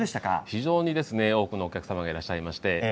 非常に多くのお客様がいらっしゃいました。